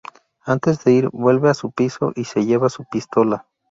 Antes de ir, vuelve a su piso, y se lleva su pistola.